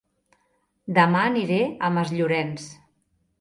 Dema aniré a Masllorenç